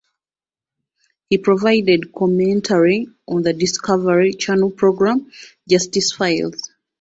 He provided commentary on the Discovery Channel program "Justice Files".